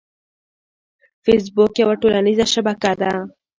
فېسبوک یوه ټولنیزه شبکه ده